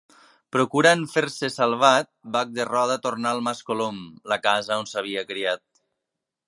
Procurant fer-se salvat, Bac de Roda tornà al mas Colom, la casa on s'havia criat.